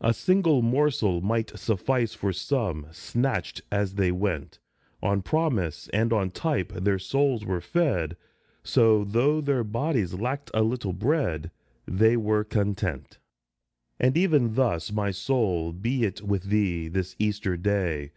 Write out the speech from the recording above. A single morsel might suffice for some, Snatched as they went ; On promise and on type their souls were fed, So, though their bodies lacked a little bread, They were content. THE PASCHAL FEAST 131 And even thus, my soul, be it with thee, This Easter Day.